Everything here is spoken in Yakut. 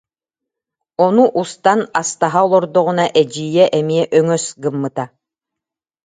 Ону устан астаһа олордоҕуна эдьиийэ эмиэ өҥөс гыммыта